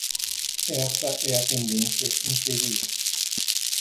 Essa é a tendência inferior.